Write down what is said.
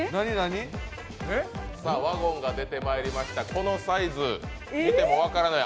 ワゴンが出てきました、このサイズ見ても分からない？